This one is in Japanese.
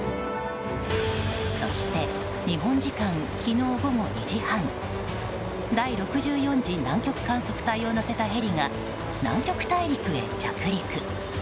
そして、日本時間昨日午後２時半第６４次南極地域観測隊を乗せたヘリが南極大陸へ着陸。